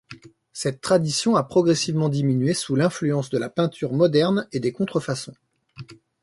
Cette tradition a progressivement diminué sous l'influence de la peinture moderne et des contrefaçons.